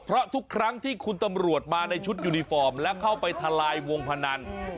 เพราะทุกครั้งที่คุณตำรวจมาในชุดยูนิฟอร์มและเข้าไปทลายวงพนัน